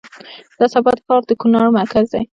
د اسعد اباد ښار د کونړ مرکز دی